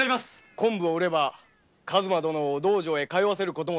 昆布を売れば数馬殿を道場へ通わせる事も。